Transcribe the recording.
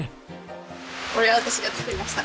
これは私が作りました。